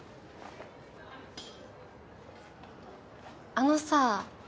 あのさ。